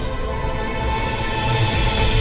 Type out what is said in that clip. aku mau ke tempat yang lebih baik